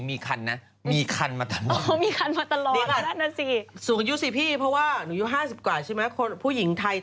พี่คะเราค่ะเรา